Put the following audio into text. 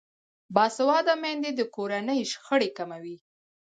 باسواده میندې د کورنۍ شخړې کموي.